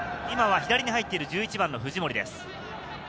今は左に入っている１１番の藤森です。